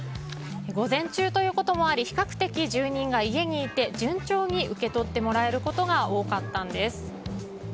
午前中ということもあり比較的、住人が家にいて順調に受け取ってもらえることが多かったんです。